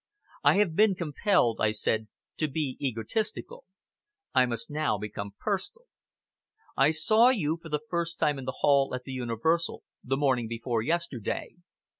"I have been compelled," I said, "to be egotistical. I must now become personal. I saw you for the first time in the hall at the Universal, the morning before yesterday.